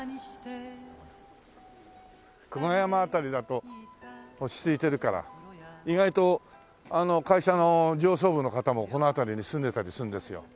久我山辺りだと落ち着いてるから意外と会社の上層部の方もこの辺りに住んでたりするんですよ。